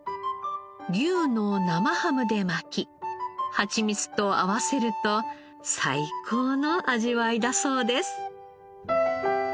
牛の生ハムで巻き蜂蜜と合わせると最高の味わいだそうです。